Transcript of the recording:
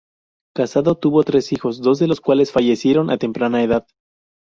Casado, tuvo tres hijos, dos de los cuales fallecieron a temprana edad.